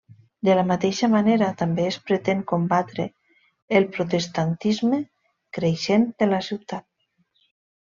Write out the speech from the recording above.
De la mateixa manera també es pretén combatre el protestantisme creixent de la ciutat.